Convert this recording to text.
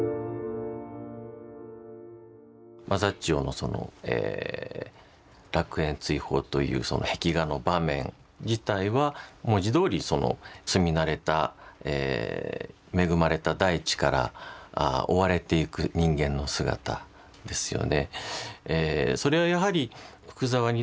マザッチョのその「楽園追放」という壁画の場面自体は文字どおり住み慣れた恵まれた大地から追われていく人間の姿ですよね。